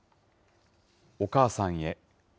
お母さんへ。